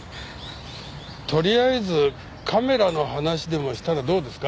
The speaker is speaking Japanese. とりあえずカメラの話でもしたらどうですか？